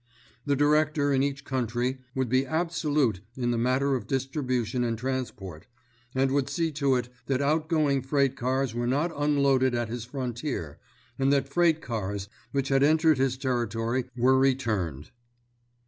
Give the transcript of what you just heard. The Director in each country would be absolute in the matter of distribution and transport, and would see to it that out going freight cars were not unloaded at his frontier and that freight cars which had entered his territory were returned.